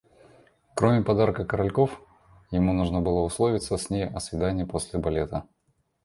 Кроме подарка коральков, ему нужно было условиться с ней о свидании после балета.